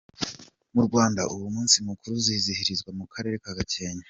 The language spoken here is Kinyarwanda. Mu Rwanda uwo munsi mukuru uzizihirizwa mu karere ka Gakenke.